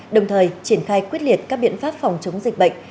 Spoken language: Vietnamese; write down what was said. đồng thời triển khai quyết liệt các biện pháp phòng chống dịch bệnh